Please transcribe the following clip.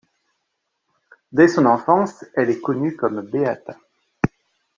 Dès son enfance, elle est connue comme Beata.